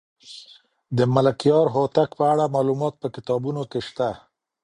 د ملکیار هوتک په اړه معلومات په کتابونو کې شته.